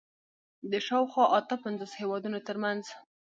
د شاوخوا اته پنځوس هېوادونو تر منځ